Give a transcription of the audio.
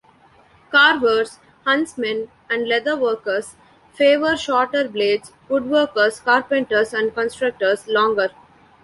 Carvers, huntsmen and leatherworkers favour shorter blades; woodworkers, carpenters and constructors longer.